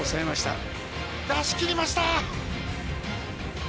出しきりました。